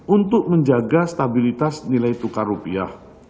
untuk menjaga stabilitas nilai tukar rupiah